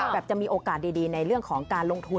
จะมีโอกาสดีในเรื่องของการลงทุน